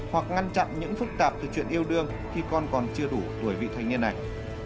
hoặc ngăn chặn những phức tạp từ chuyện yêu đương khi con còn chưa đủ tuổi vị thanh niên này